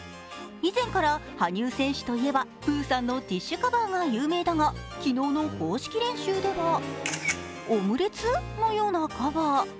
依然から羽生選手と言えばプーさんのティッシュカバーが有名だが昨日の公式練習ではオムレツのようなカバー。